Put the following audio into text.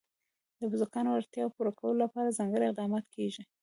د بزګانو د اړتیاوو پوره کولو لپاره ځانګړي اقدامات کېږي.